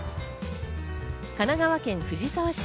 神奈川県藤沢市。